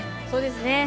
そうですね。